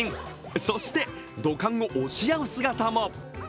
そして土管を押し合う姿も。